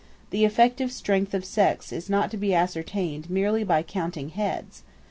The effective strength of sects is not to be ascertained merely by counting heads.